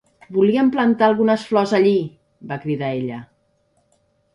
"Volíem plantar algunes flors allí", va cridar ella.